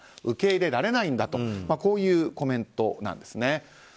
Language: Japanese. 受け入れられないんだとこういうコメントなんですね。